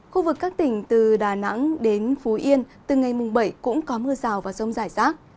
khu vực các tỉnh từ đà nẵng đến phú yên từ ngày mùng bảy cũng có mưa rào và rông rải rác